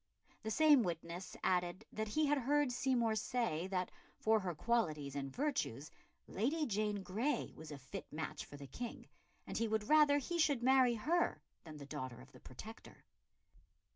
The same witness added that he had heard Seymour say that, for her qualities and virtues, Lady Jane Grey was a fit match for the King, and he would rather he should marry her than the daughter of the Protector.